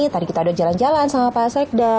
tadi kita udah jalan jalan sama pak sekda